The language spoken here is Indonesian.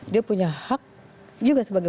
dia punya hak juga sebagai